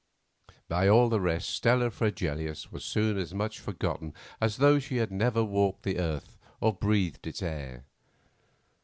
By all the rest Stella Fregelius was soon as much forgotten as though she had never walked the world or breathed its air.